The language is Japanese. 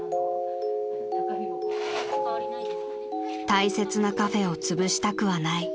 ［大切なカフェをつぶしたくはない］